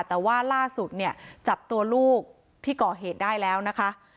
แต่ว่าล่าสุดเนี่ยจับตัวลูกที่ก่อเหตุได้แล้วนะคะ